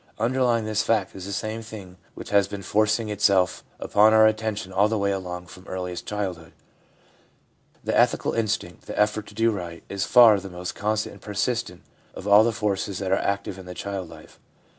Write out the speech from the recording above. Underlying this fact is the same thing which has been forcing itself upon our attention all the way along from earliest childhood. The ethical instinct, the effort to do right, is far the most constant and persistent of all the forces that are active in the child life.